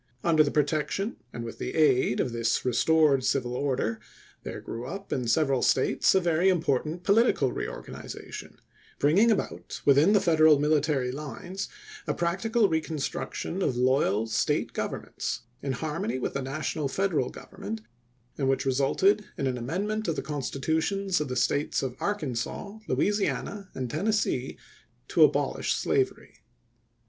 Under the protection and with the aid of this restored civil order, there grew up in several States a very im portant political reorganization, bringing about within the Federal military lines a practical recon struction of loyal State governments in harmony with the national Federal Government, and which resulted in an amendment of the Constitutions of the States of Arkansas, Louisiana, and Tennessee to abolish slavery.